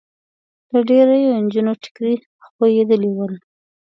د ډېریو نجونو ټیکري خوېدلي ول.